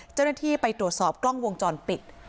เจ้าหน้าที่ไปตรวจสอบกล้องวงจรปิด